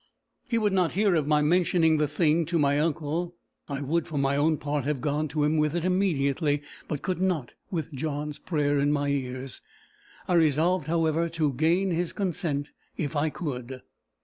He would not hear of my mentioning the thing to my uncle. I would for my own part have gone to him with it immediately; but could not with John's prayer in my ears. I resolved, however, to gain his consent if I could.